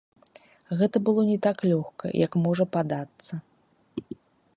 Гэта было не так лёгка, як можа падацца.